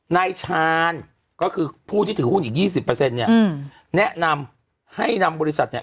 นายชาญก็คือผู้ที่ถือหุ้นอีก๒๐เนี่ยแนะนำให้นำบริษัทเนี่ย